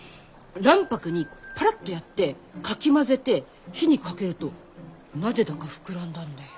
卵白にパラッとやってかき混ぜて火にかけるとなぜだか膨らんだんだよ。